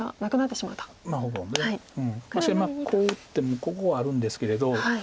しかしこう打ってもここはあるんですけれど。